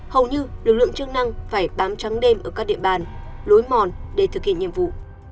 hầu như lực lượng chức năng phải bám trắng đêm ở các địa bàn lối mòn để thực hiện nhiệm vụ